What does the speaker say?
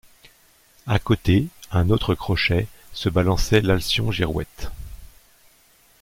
À côté, à un autre crochet, se balançait l’alcyon girouette.